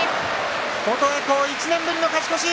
琴恵光、１年ぶりの勝ち越し。